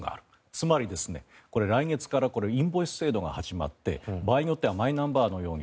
つまり、来月からインボイス制度が始まって場合によってはマイナンバーのように